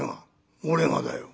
「俺がだよ」。